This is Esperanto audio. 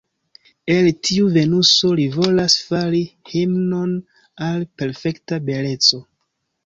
El tiu Venuso li volas fari himnon al perfekta beleco.